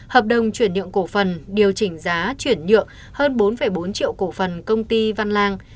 hợp đồng chuyển nhượng cổ phần điều chỉnh giá chuyển nhượng hơn bốn bốn triệu cổ phần công ty văn lang